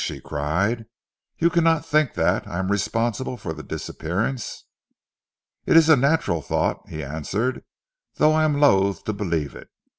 she cried. "You cannot think that I am responsible for the disappearance?" "It is a natural thought," he answered, "though I am loathe to believe it.